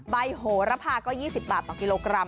โหระพาก็๒๐บาทต่อกิโลกรัม